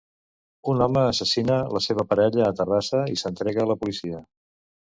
Un home assassina la seva parella a Terrassa i s'entrega a la policia.